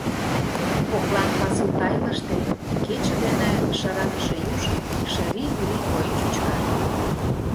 коклан пасу тайылыште кече дене шыраныше юж «шыри-вури» койын чӱчка;